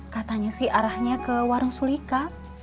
katanya sih arahnya ke warung sulika